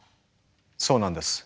そうなんです。